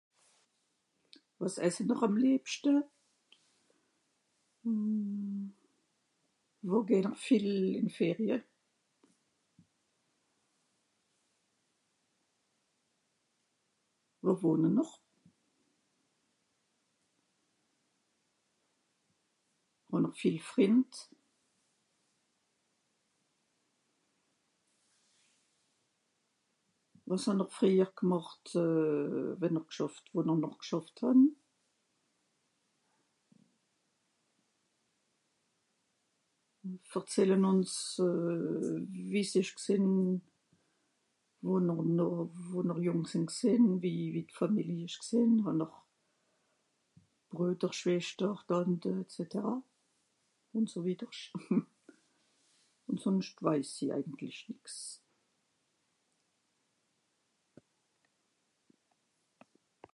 wàs essen'r àm lebschte mhh wo gehn'r viel in Ferie wo wohn ne'r hàn'er viel Frìnd wàs hàn'er freijer gemàcht euh wenn'r g'schàfft wo noch g'schàfft hàn verzählen'uns euh wie s'esch gsehn won'r noch won'r jung seh g'sehn wie wie d'Familie esch g'sehn hàn'r bruder schwester tante etc un so wietercht un sonscht weiss I eingentlich nix